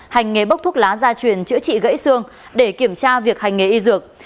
hành nghề bốc thuốc lá gia truyền chữa trị gãy xương để kiểm tra việc hành nghề y dược